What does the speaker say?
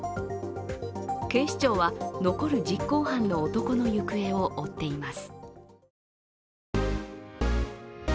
警視庁は残る実行犯の男の行方を追っています。